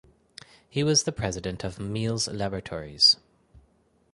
He was the president of Miles Laboratories.